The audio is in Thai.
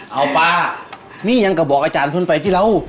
เอ้าป่านี่ยังกระบอกอาจารย์เท่านั้นไปที่เรา